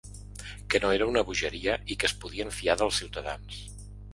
Que no era una bogeria i que es podien fiar dels ciutadans.